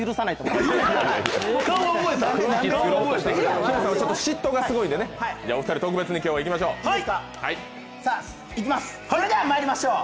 きむさんは嫉妬がすごいんで、お二人、特別に今日はいきましょう。